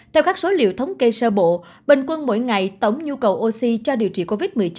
theo các số liệu thống kê sơ bộ bình quân mỗi ngày tổng nhu cầu oxy cho điều trị covid một mươi chín